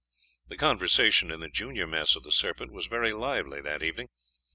The conversation in the junior mess of the Serpent was very lively that evening.